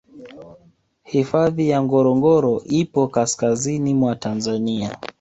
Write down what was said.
hifadhi ya ngorongoro ipo kaskazini mwa tanzania